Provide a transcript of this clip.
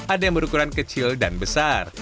ada yang berukuran kecil dan besar